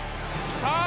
さあ！